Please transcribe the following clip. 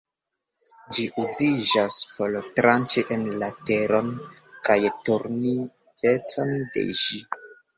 Ĝi uziĝas por tranĉi en la teron kaj turni pecon de ĝi.